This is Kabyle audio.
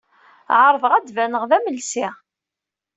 Ɛerḍeɣ ad d-baneɣ d amelsi.